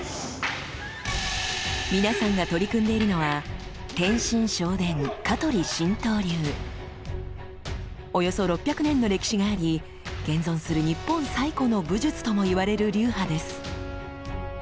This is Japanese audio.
皆さんが取り組んでいるのはおよそ６００年の歴史があり現存する日本最古の武術ともいわれる流派です。